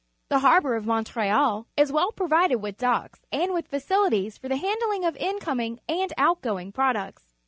The harbour of Montreal is well pro\'ided with docks and with facilities for the hand ling of incoming and outgoing products.